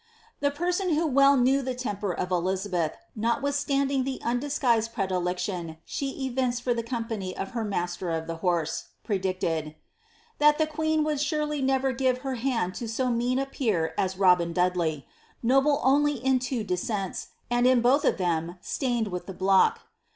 A person who well knew the temper of Elizabeth, notwithstandhig the undisguised predilection she evinced for the company of her master of the horse, predicted, ^ that the queen would surely never give hc^ Aand to so mean a peer as Robin Dudlev — noble only in two deseenn, and in both of them stained with the block.''